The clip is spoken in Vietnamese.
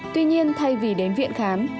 tuy nhiên thay vì đến viện khám